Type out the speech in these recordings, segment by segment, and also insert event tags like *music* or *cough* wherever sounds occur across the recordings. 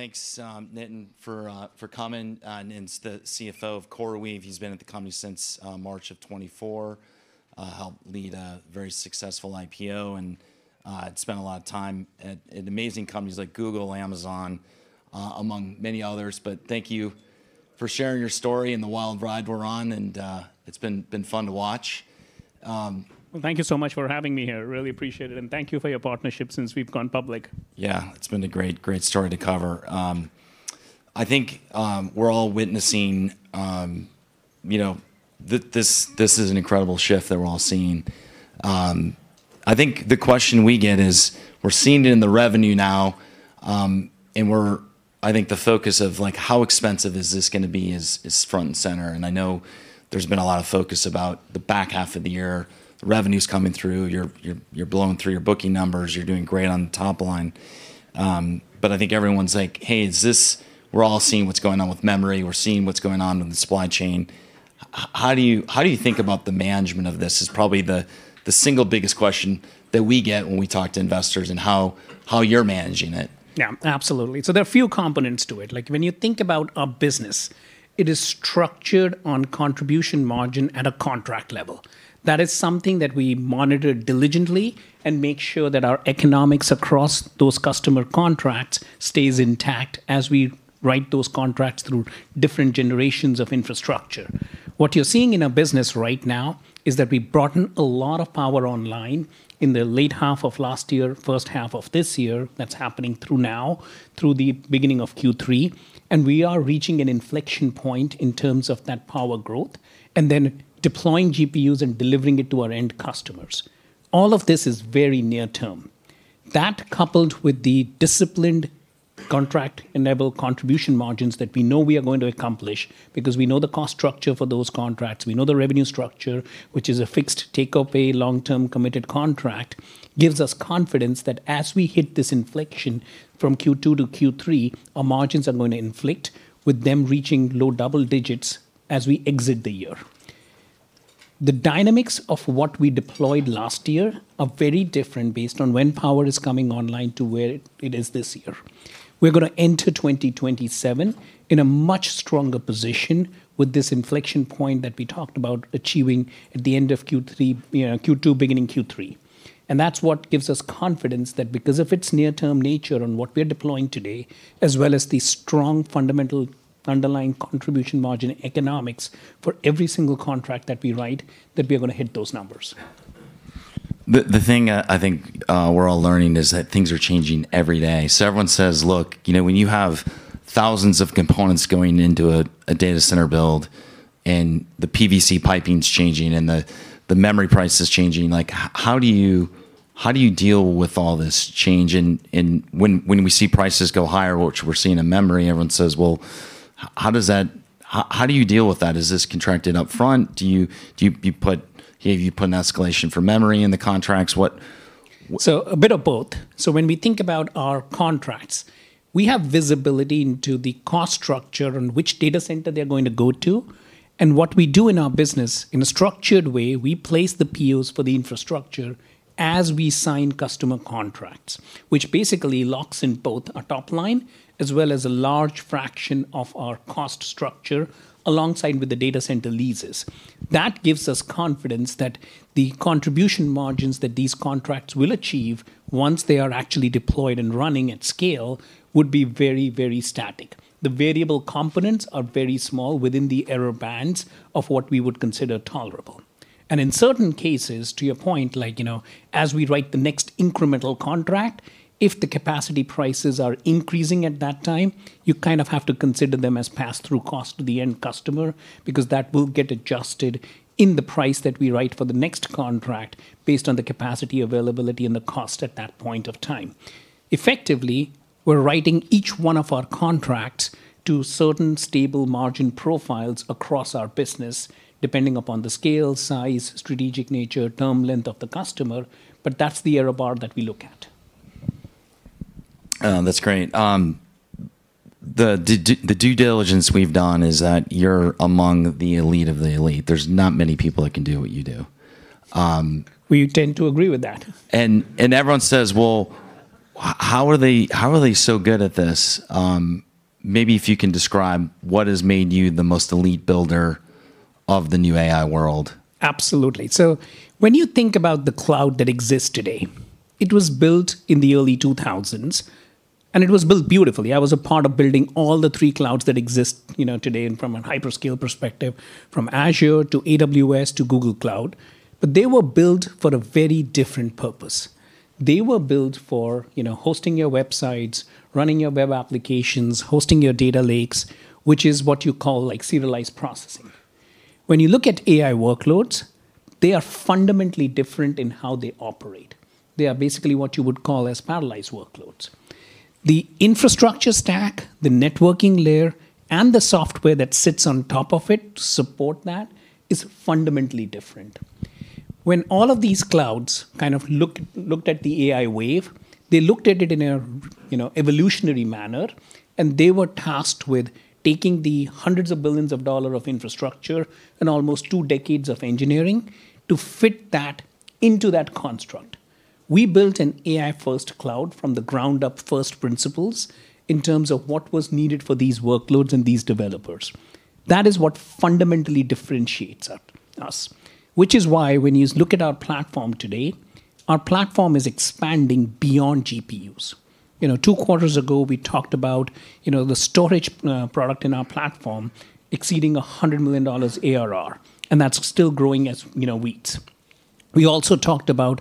Thanks, Nitin, for coming. Nitin's the CFO of CoreWeave. He's been at the company since March of 2024, helped lead a very successful IPO, and had spent a lot of time at amazing companies like Google, Amazon, among many others. Thank you for sharing your story and the wild ride we're on. It's been fun to watch. Well, thank you so much for having me here. Really appreciate it. Thank you for your partnership since we've gone public. Yeah. It's been a great story to cover. I think we're all witnessing this is an incredible shift that we're all seeing. I think the question we get is we're seeing it in the revenue now, I think the focus of how expensive is this going to be is front and center. I know there's been a lot of focus about the back half of the year. The revenue's coming through. You're blowing through your booking numbers. You're doing great on the top line. I think everyone's like, "Hey, we're all seeing what's going on with memory, we're seeing what's going on in the supply chain." How do you think about the management of this is probably the single biggest question that we get when we talk to investors, and how you're managing it. Yeah, absolutely. There are a few components to it. When you think about our business, it is structured on contribution margin at a contract level. That is something that we monitor diligently and make sure that our economics across those customer contracts stays intact as we write those contracts through different generations of infrastructure. What you're seeing in our business right now is that we brought in a lot of power online in the late half of last year, first half of this year. That's happening through now, through the beginning of Q3. We are reaching an inflection point in terms of that power growth, and then deploying GPUs and delivering it to our end customers. All of this is very near term. That, coupled with the disciplined contract-enabled contribution margins that we know we are going to accomplish because we know the cost structure for those contracts, we know the revenue structure, which is a fixed take of a long-term committed contract, gives us confidence that as we hit this inflection from Q2 to Q3, our margins are going to inflect, with them reaching low double digits as we exit the year. The dynamics of what we deployed last year are very different based on when power is coming online to where it is this year. We're going to enter 2027 in a much stronger position with this inflection point that we talked about achieving at the end of Q2, beginning Q3. That's what gives us confidence that because of its near-term nature and what we are deploying today, as well as the strong fundamental underlying contribution margin economics for every single contract that we write, that we are going to hit those numbers. The thing I think we're all learning is that things are changing every day. Everyone says, look, when you have thousands of components going into a data center build and the PVC piping's changing and the memory price is changing, how do you deal with all this change? When we see prices go higher, which we're seeing in memory, everyone says, "Well, how do you deal with that? Is this contracted up front? Do you put an escalation for memory in the contracts? A bit of both. When we think about our contracts, we have visibility into the cost structure and which data center they're going to go to. What we do in our business, in a structured way, we place the POs for the infrastructure as we sign customer contracts, which basically locks in both our top line as well as a large fraction of our cost structure alongside with the data center leases. That gives us confidence that the contribution margins that these contracts will achieve once they are actually deployed and running at scale would be very, very static. The variable components are very small within the error bands of what we would consider tolerable. In certain cases, to your point, as we write the next incremental contract, if the capacity prices are increasing at that time, you kind of have to consider them as pass-through cost to the end customer because that will get adjusted in the price that we write for the next contract based on the capacity availability and the cost at that point of time. Effectively, we're writing each one of our contracts to certain stable margin profiles across our business, depending upon the scale, size, strategic nature, term length of the customer, but that's the error bar that we look at. That's great. The due diligence we've done is that you're among the elite of the elite. There's not many people that can do what you do. We tend to agree with that. Everyone says, "Well, how are they so good at this?" Maybe if you can describe what has made you the most elite builder of the new AI world. Absolutely. When you think about the cloud that exists today, it was built in the early 2000s, and it was built beautifully. I was a part of building all the three clouds that exist today and from a hyperscale perspective, from Azure to AWS to Google Cloud. They were built for a very different purpose. They were built for hosting your websites, running your web applications, hosting your data lakes, which is what you call serialized processing. When you look at AI workloads, they are fundamentally different in how they operate. They are basically what you would call as parallelized workloads. The infrastructure stack, the networking layer, and the software that sits on top of it to support that is fundamentally different. When all of these clouds kind of looked at the AI wave, they looked at it in an evolutionary manner, and they were tasked with taking the hundreds of billions of dollar of infrastructure and almost two decades of engineering to fit that into that construct. We built an AI-first cloud from the ground up first principles in terms of what was needed for these workloads and these developers. That is what fundamentally differentiates us. Which is why when you look at our platform today, our platform is expanding beyond GPUs. Two quarters ago, we talked about the storage product in our platform exceeding $100 million ARR, and that's still growing as. *audio distortion* We also talked about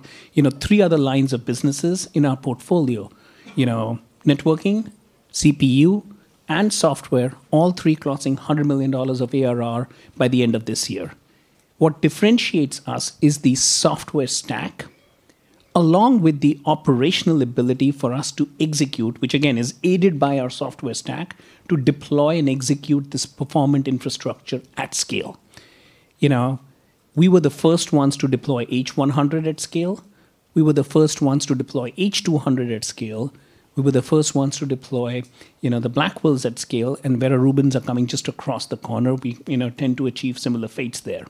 three other lines of businesses in our portfolio. Networking, CPU, and software, all three crossing $100 million of ARR by the end of this year. What differentiates us is the software stack, along with the operational ability for us to execute, which again, is aided by our software stack, to deploy and execute this performant infrastructure at scale. We were the first ones to deploy H100 at scale. We were the first ones to deploy H200 at scale. We were the first ones to deploy the Blackwells at scale. Vera Rubins are coming just across the corner. We tend to achieve similar fates there.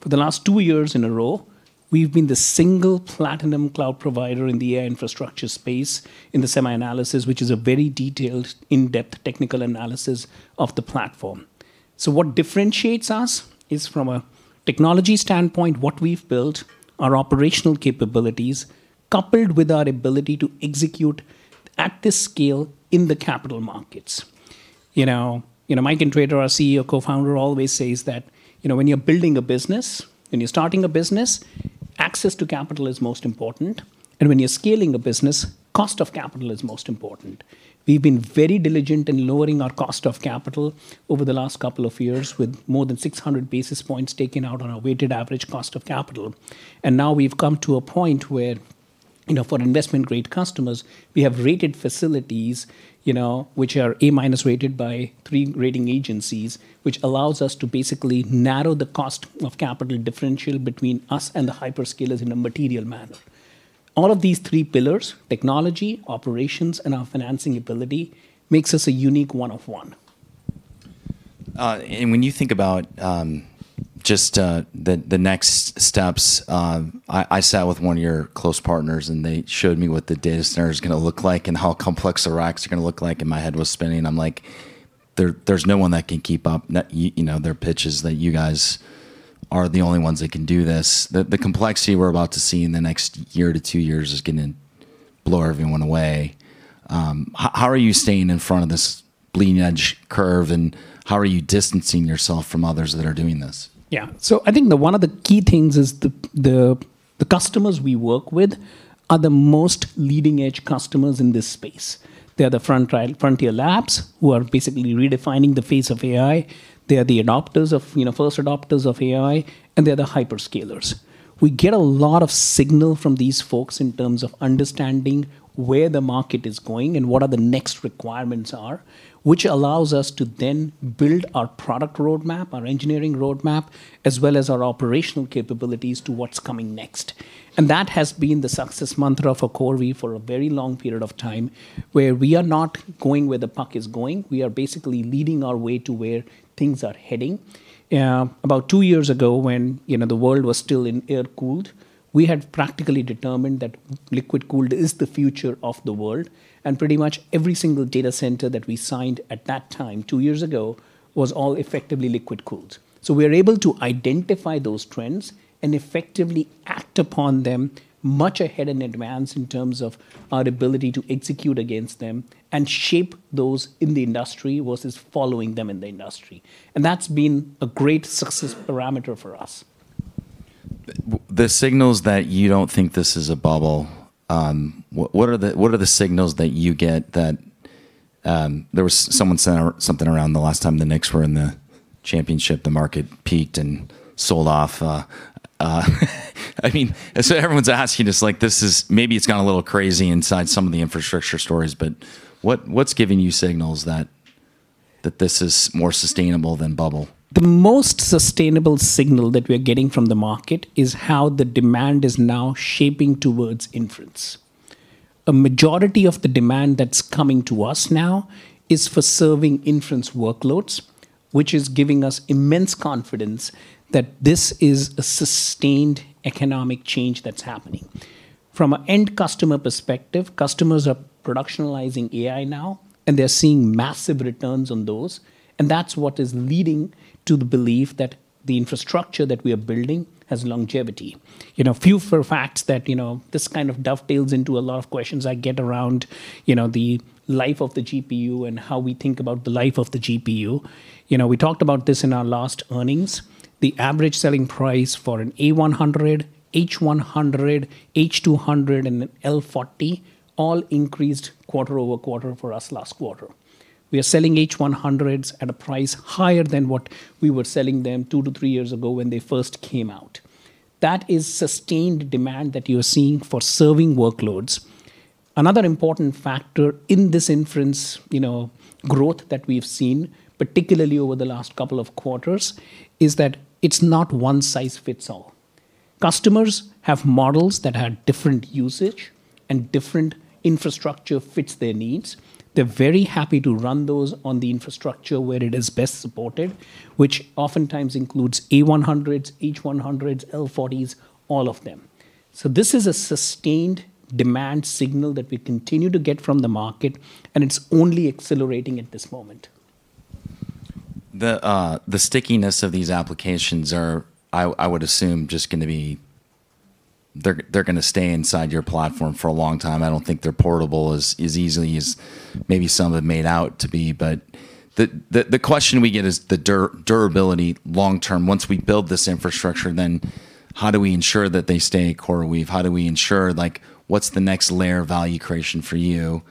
For the last two years in a row, we've been the single platinum cloud provider in the AI infrastructure space in the SemiAnalysis, which is a very detailed, in-depth technical analysis of the platform. What differentiates us is from a technology standpoint, what we've built, our operational capabilities, coupled with our ability to execute at this scale in the capital markets. Michael Intrator, our Co-Founder, always says that when you're building a business, when you're starting a business, access to capital is most important, and when you're scaling a business, cost of capital is most important. We've been very diligent in lowering our cost of capital over the last couple of years, with more than 600 basis points taken out on our weighted average cost of capital. Now we've come to a point where, for investment-grade customers, we have rated facilities, which are A-minus rated by three rating agencies, which allows us to basically narrow the cost of capital differential between us and the hyperscalers in a material manner. All of these three pillars, technology, operations, and our financing ability, makes us a unique one of one. When you think about just the next steps, I sat with one of your close partners, and they showed me what the data center's going to look like and how complex the racks are going to look like, and my head was spinning. I'm like, "There's no one that can keep up." There are pitches that you guys are the only ones that can do this. The complexity we're about to see in the next year to two years is going to blow everyone away. How are you staying in front of this leading-edge curve, and how are you distancing yourself from others that are doing this? Yeah. I think one of the key things is the customers we work with are the most leading-edge customers in this space. They're the frontier labs who are basically redefining the face of AI. They are the first adopters of AI, and they're the hyperscalers. We get a lot of signal from these folks in terms of understanding where the market is going and what are the next requirements are, which allows us to then build our product roadmap, our engineering roadmap, as well as our operational capabilities to what's coming next. That has been the success mantra for CoreWeave for a very long period of time, where we are not going where the puck is going. We are basically leading our way to where things are heading. About two years ago, when the world was still in air-cooled, we had practically determined that liquid-cooled is the future of the world, pretty much every single data center that we signed at that time, two years ago, was all effectively liquid-cooled. We are able to identify those trends and effectively act upon them much ahead in advance in terms of our ability to execute against them and shape those in the industry versus following them in the industry. That's been a great success parameter for us. The signals that you don't think this is a bubble, what are the signals that you get? Someone sent something around the last time the Knicks were in the championship, the market peaked and sold off. Everyone's asking, maybe it's gone a little crazy inside some of the infrastructure stories, but what's giving you signals that this is more sustainable than bubble? The most sustainable signal that we're getting from the market is how the demand is now shaping towards inference. A majority of the demand that's coming to us now is for serving inference workloads, which is giving us immense confidence that this is a sustained economic change that's happening. From an end customer perspective, customers are productionalizing AI now, and they're seeing massive returns on those, and that's what is leading to the belief that the infrastructure that we are building has longevity. [Few fun facts] that this kind of dovetails into a lot of questions I get around the life of the GPU and how we think about the life of the GPU. We talked about this in our last earnings. The average selling price for an A100, H100, H200, and an L40 all increased quarter-over-quarter for us last quarter. We are selling H100s at a price higher than what we were selling them two to three years ago when they first came out. That is sustained demand that you're seeing for serving workloads. Another important factor in this inference growth that we've seen, particularly over the last couple of quarters, is that it's not one size fits all. Customers have models that have different usage. Different infrastructure fits their needs. They're very happy to run those on the infrastructure where it is best supported, which oftentimes includes A100s, H100s, L40S, all of them. This is a sustained demand signal that we continue to get from the market, and it's only accelerating at this moment. The stickiness of these applications are, I would assume, they're going to stay inside your platform for a long time. I don't think they're portable as easily as maybe some have made out to be. The question we get is the durability long term. Once we build this infrastructure, then how do we ensure that they stay at CoreWeave? How do we ensure, what's the next layer of value creation for you?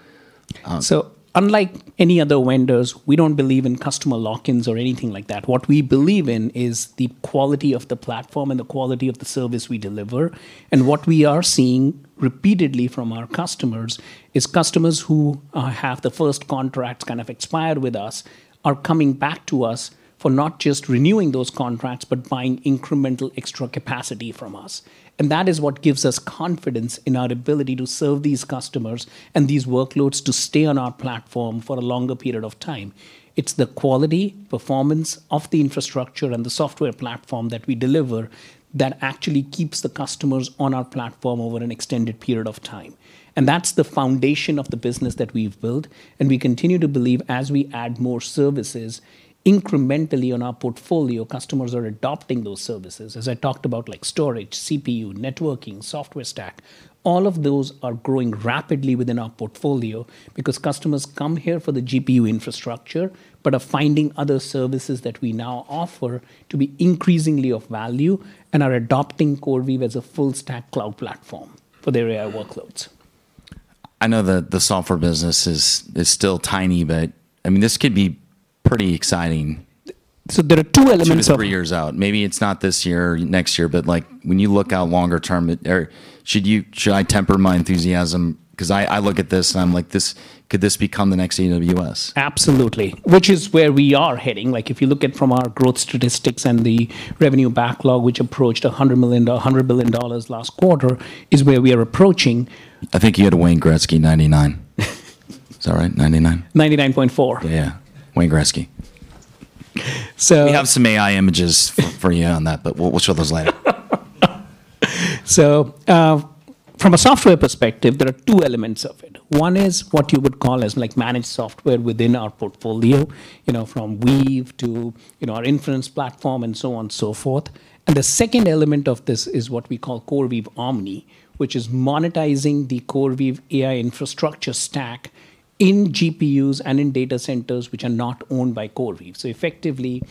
Unlike any other [vendors], we don't believe in customer lock-ins or anything like that. What we believe in is the quality of the platform and the quality of the service we deliver. What we are seeing repeatedly from our customers is customers who have the first contracts kind of expired with us, are coming back to us for not just renewing those contracts, but buying incremental extra capacity from us. That is what gives us confidence in our ability to serve these customers and these workloads to stay on our platform for a longer period of time. It's the quality, performance of the infrastructure, and the software platform that we deliver that actually keeps the customers on our platform over an extended period of time. That's the foundation of the business that we've built, and we continue to believe as we add more services incrementally on our portfolio, customers are adopting those services. As I talked about, like storage, CPU, networking, software stack, all of those are growing rapidly within our portfolio because customers come here for the GPU infrastructure, but are finding other services that we now offer to be increasingly of value and are adopting CoreWeave as a full-stack cloud platform for their AI workloads. I know that the software business is still tiny, this could be pretty exciting. There are two elements of it Two to three years out. Maybe it's not this year or next year, but when you look out longer term, or should I temper my enthusiasm? I look at this and I'm like, Could this become the next AWS? Absolutely. Which is where we are heading. If you look at from our growth statistics and the revenue backlog, which approached $100 billion last quarter, is where we are approaching. I think you had Wayne Gretzky 99. Is that right, 99? 99.4. Yeah. Wayne Gretzky. So- We have some AI images for you on that, but we'll show those later. From a software perspective, there are two elements of it. One is what you would call as managed software within our portfolio, from Weave to our inference platform and so on and so forth. The second element of this is what we call CoreWeave Omni, which is monetizing the CoreWeave AI infrastructure stack in GPUs and in data centers which are not owned by CoreWeave. Effectively,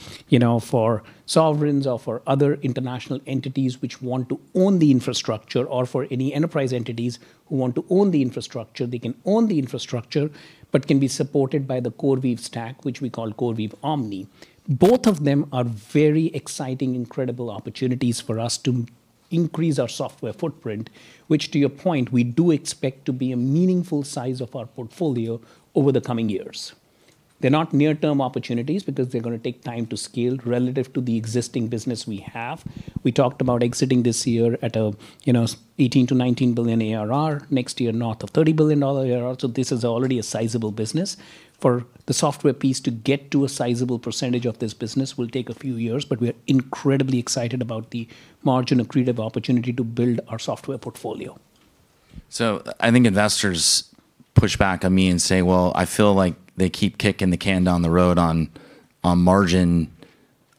for sovereigns or for other international entities which want to own the infrastructure, or for any enterprise entities who want to own the infrastructure, they can own the infrastructure, but can be supported by the CoreWeave stack, which we call CoreWeave Omni. Both of them are very exciting, incredible opportunities for us to increase our software footprint, which to your point, we do expect to be a meaningful size of our portfolio over the coming years. They're not near-term opportunities because they're going to take time to scale relative to the existing business we have. We talked about exiting this year at $18 billion-$19 billion ARR, next year north of $30 billion ARR. This is already a sizable business. For the software piece to get to a sizable percentage of this business will take a few years, but we're incredibly excited about the margin accretive opportunity to build our software portfolio. I think investors push back on me and say, "Well, I feel like they keep kicking the can down the road on margin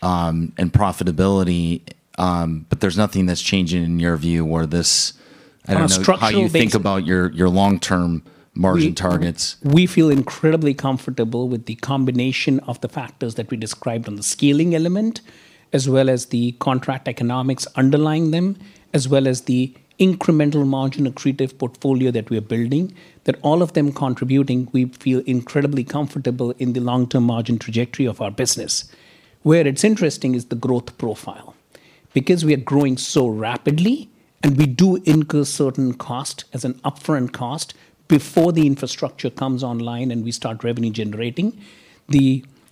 and profitability," but there's nothing that's changing in your view or this. On a structural basis I don't know how you think about your long-term margin targets. We feel incredibly comfortable with the combination of the factors that we described on the scaling element, as well as the contract economics underlying them, as well as the incremental margin accretive portfolio that we are building, that all of them contributing, we feel incredibly comfortable in the long-term margin trajectory of our business. Where it's interesting is the growth profile. Because we are growing so rapidly and we do incur certain cost as an upfront cost before the infrastructure comes online and we start revenue generating,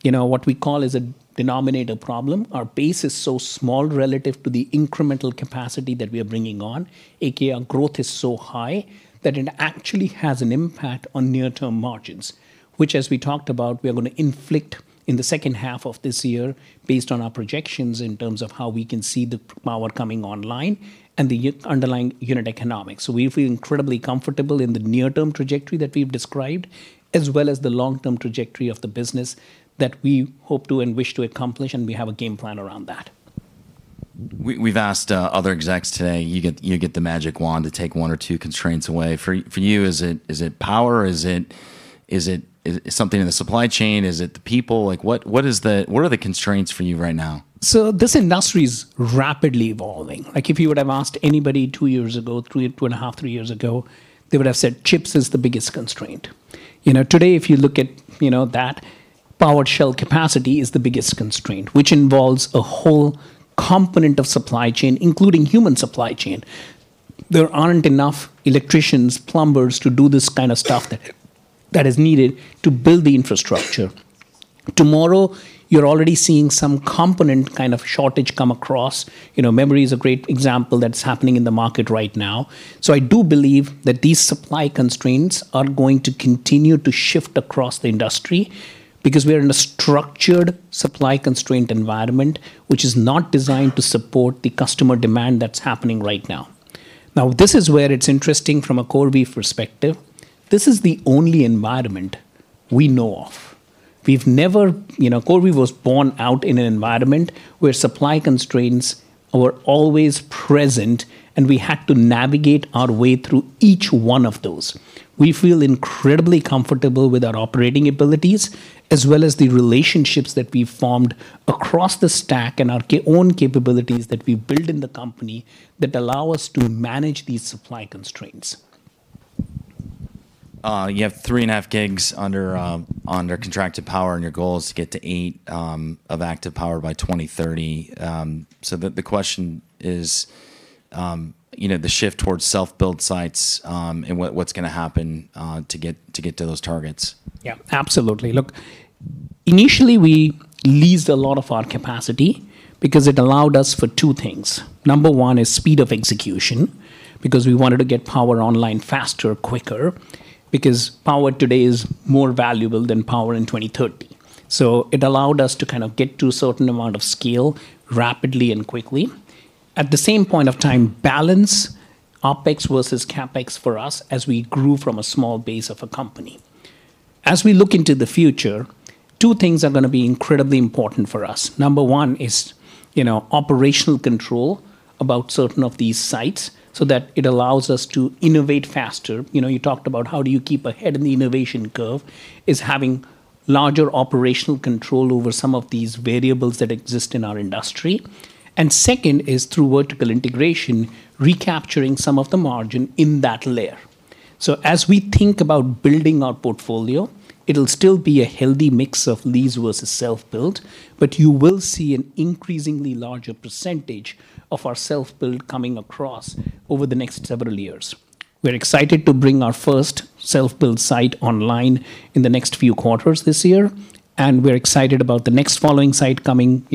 what we call is a denominator problem. Our base is so small relative to the incremental capacity that we are bringing on, aka growth is so high, that it actually has an impact on near-term margins. As we talked about, we are going to inflect in the second half of this year based on our projections in terms of how we can see the power coming online and the underlying unit economics. We feel incredibly comfortable in the near-term trajectory that we've described, as well as the long-term trajectory of the business that we hope to and wish to accomplish, and we have a game plan around that. We've asked other execs today, you get the magic wand to take one or two constraints away. For you, is it power? Is it something in the supply chain? Is it the people? What are the constraints for you right now? This industry's rapidly evolving. If you would have asked anybody two years ago, two and a half, three years ago, they would have said chips is the biggest constraint. Today, if you look at that, power and shell capacity is the biggest constraint, which involves a whole component of supply chain, including human supply chain. There aren't enough electricians, plumbers to do this kind of stuff that is needed to build the infrastructure. Tomorrow, you're already seeing some component kind of shortage come across. Memory is a great example that's happening in the market right now. I do believe that these supply constraints are going to continue to shift across the industry because we are in a structured supply constraint environment, which is not designed to support the customer demand that's happening right now. This is where it's interesting from a CoreWeave perspective. This is the only environment we know of. CoreWeave was born out in an environment where supply constraints were always present, and we had to navigate our way through each one of those. We feel incredibly comfortable with our operating abilities as well as the relationships that we've formed across the stack and our own capabilities that we've built in the company that allow us to manage these supply constraints. You have 3.5 GW Under contracted power, and your goal is to get to 8 GW of active power by 2030. The question is the shift towards self-built sites and what's going to happen to get to those targets. Absolutely. Look, initially, we leased a lot of our capacity because it allowed us for two things. Number one is speed of execution, because we wanted to get power online faster, quicker, because power today is more valuable than power in 2030. It allowed us to kind of get to a certain amount of scale rapidly and quickly. At the same point of time, balance CapEx versus OpEx for us as we grew from a small base of a company. As we look into the future, two things are going to be incredibly important for us. Number one is operational control about certain of these sites so that it allows us to innovate faster. You talked about how do you keep ahead in the innovation curve, is having larger operational control over some of these variables that exist in our industry. Second is through vertical integration, recapturing some of the margin in that layer. As we think about building our portfolio, it'll still be a healthy mix of lease versus self-built, but you will see an increasingly larger percentage of our self-built coming across over the next several years. We're excited to bring our first self-built site online in the next few quarters this year, and we're excited about the next following site coming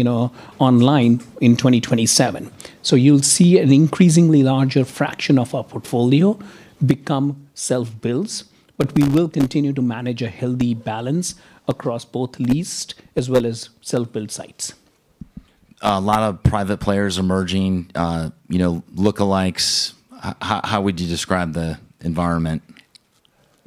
online in 2027. You'll see an increasingly larger fraction of our portfolio become self-built, but we will continue to manage a healthy balance across both leased as well as self-built sites. A lot of private players emerging, lookalikes. How would you describe the environment?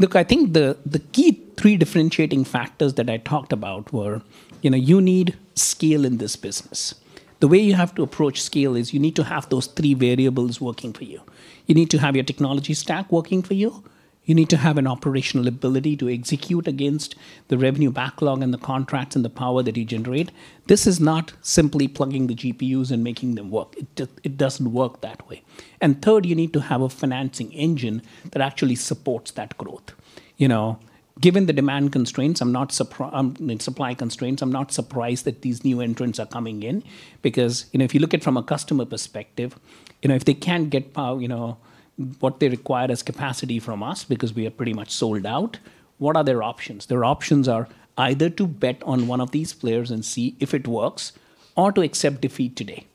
Look, I think the key three differentiating factors that I talked about were, you need scale in this business. The way you have to approach scale is you need to have those three variables working for you. You need to have your technology stack working for you. You need to have an operational ability to execute against the revenue backlog and the contracts and the power that you generate. This is not simply plugging the GPUs and making them work. It doesn't work that way. Third, you need to have a financing engine that actually supports that growth. Given the demand constraints, supply constraints, I'm not surprised that these new entrants are coming in because if you look at it from a customer perspective, if they can't get what they require as capacity from us because we are pretty much sold out, what are their options? Their options are either to bet on one of these players and see if it works or to accept defeat today.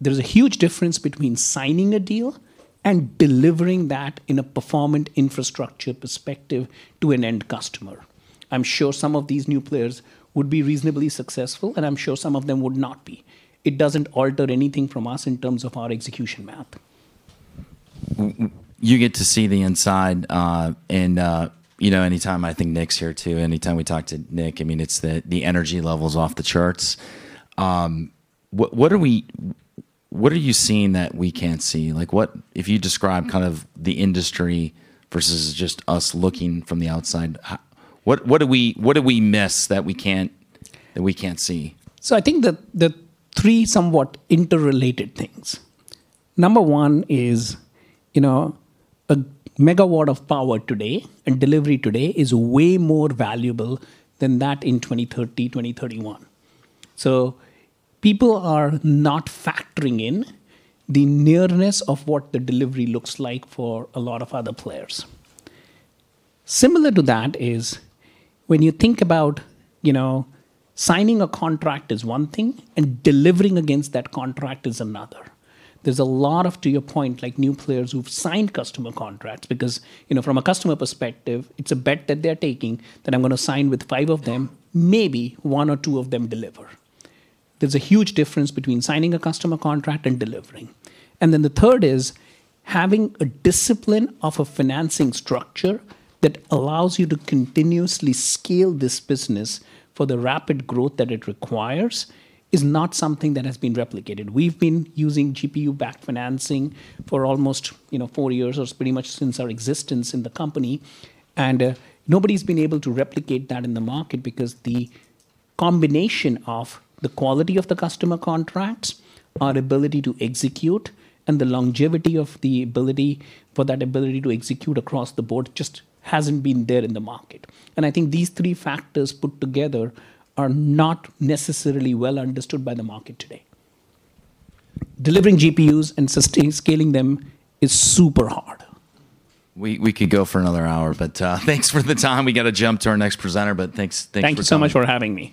There's a huge difference between signing a deal and delivering that in a performant infrastructure perspective to an end customer. I'm sure some of these new players would be reasonably successful, and I'm sure some of them would not be. It doesn't alter anything from us in terms of our execution map. You get to see the inside. I think Nick's here, too. Anytime we talk to Nick, the energy level's off the charts. What are you seeing that we can't see? If you describe the industry versus just us looking from the outside, what do we miss that we can't see? I think that three somewhat interrelated things. Number one is a megawatt of power today and delivery today is way more valuable than that in 2030, 2031. People are not factoring in the nearness of what the delivery looks like for a lot of other players. Similar to that is when you think about signing a contract is one thing and delivering against that contract is another. There's a lot of, to your point, new players who've signed customer contracts because from a customer perspective, it's a bet that they're taking that I'm going to sign with five of them, maybe one or two of them deliver. There's a huge difference between signing a customer contract and delivering. The third is having a discipline of a financing structure that allows you to continuously scale this business for the rapid growth that it requires is not something that has been replicated. We've been using GPU-backed financing for almost four years, or pretty much since our existence in the company, and nobody's been able to replicate that in the market because the combination of the quality of the customer contracts, our ability to execute, and the longevity of the ability for that ability to execute across the board just hasn't been there in the market. I think these three factors put together are not necessarily well understood by the market today. Delivering GPUs and scaling them is super hard. We could go for another hour, but thanks for the time. We got to jump to our next presenter, but thanks for coming. Thank you so much for having me.